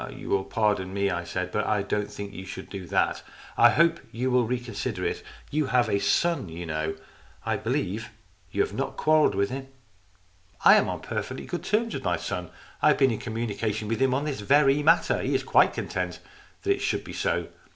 "You will pardon me," I said, "but I don't think you should do that. I hope you will re consider it. You have a son, you know, and I believe you have not quarrelled with him." " I am on perfectly good terms with my son. I have been in communication with him on this very matter. He is quite content that it should be so.